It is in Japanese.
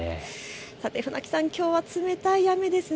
船木さん、きょうは冷たい雨ですね。